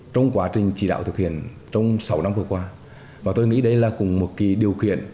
trong sáu năm vừa qua tôi nghĩ đây là cùng một điều kiện